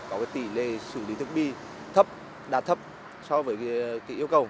có tỷ lệ xử lý thức bi thấp đạt thấp so với yêu cầu